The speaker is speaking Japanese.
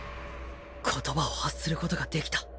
言葉を発する事ができた。